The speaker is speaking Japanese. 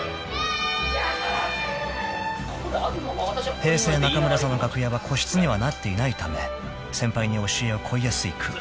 ［平成中村座の楽屋は個室にはなっていないため先輩に教えを乞いやすい空間］